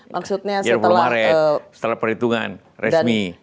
maksudnya setelah perhitungan resmi